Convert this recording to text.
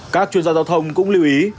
các chuyên gia giao thông cũng lưu ý